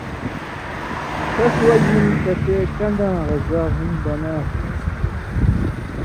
ݜس وجہۡ ہِن تسےکن٘داں غزا ہُم بناں تھو۔